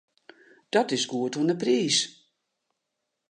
Dat is goed oan 'e priis.